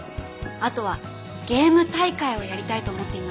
あとはゲーム大会をやりたいと思っていまして。